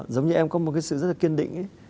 giống như em có một cái sự rất là kiên định